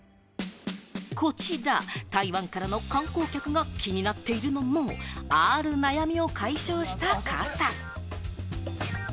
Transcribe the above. こちら、台湾からの観光客が気になっているのも、ある悩みを解消した傘。